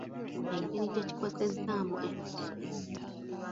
Engeri gye kikosezzaamu emirimu.